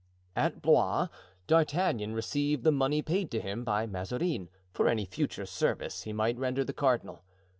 At Blois, D'Artagnan received the money paid to him by Mazarin for any future service he might render the cardinal.